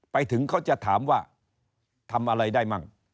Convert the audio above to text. ไปถึงเขาจะถามว่าทำอะไรได้มั่ง